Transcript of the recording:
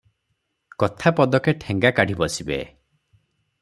କଥା ପଦକେ ଠେଙ୍ଗା କାଢ଼ି ବସିବେ ।